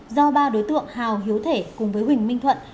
do ba đối tượng hào hiếu thể cùng với huỳnh minh thuận